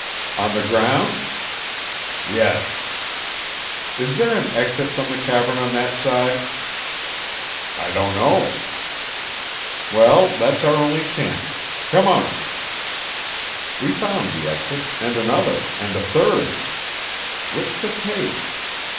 "On the ground?" "Yes." "Is there an exit from the cavern on that side?" "I don't know." "Well, that's our only chance. Come on!" We found the exit, and another, and a third. Which to take?